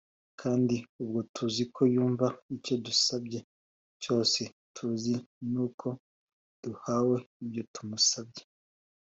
kandi ubwo tuzi ko yumva icyo dusabye cyose, tuzi n’uko duhawe ibyo tumusabye.